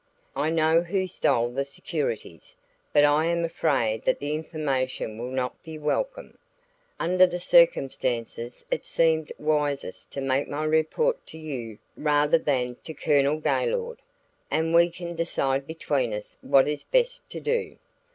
"I know who stole the securities; but I am afraid that the information will not be welcome. Under the circumstances it seemed wisest to make my report to you rather than to Colonel Gaylord, and we can decide between us what is best to do."